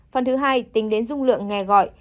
phần thứ hai tính đến dung lượng nghe gọi